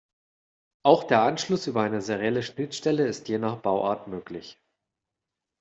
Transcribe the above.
Auch der Anschluss über eine serielle Schnittstelle ist je nach Bauart möglich.